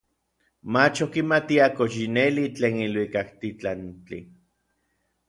Mach okimatia kox yi neli tlen iluikaktitlantli.